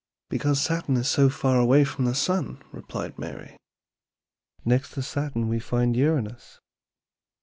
"Because Saturn is so far away from the Sun," replied Mary. "Next to Saturn we find Uranus.